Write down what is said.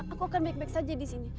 aku akan balik balik saja di sini